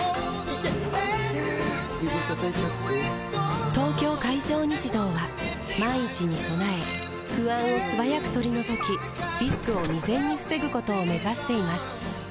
指たたいちゃって・・・「東京海上日動」は万一に備え不安を素早く取り除きリスクを未然に防ぐことを目指しています